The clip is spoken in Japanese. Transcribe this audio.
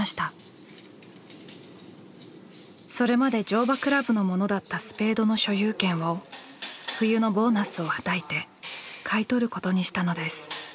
それまで乗馬倶楽部のものだったスペードの所有権を冬のボーナスをはたいて買い取ることにしたのです。